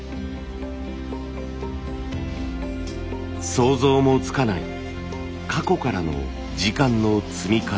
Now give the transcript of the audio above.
想像もつかない過去からの時間の積み重なり。